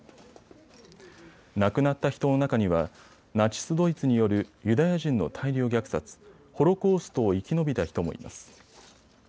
亡くなった人の中にはナチス・ドイツによるユダヤ人の大量虐殺、ホロコーストを生き延びた人もいます。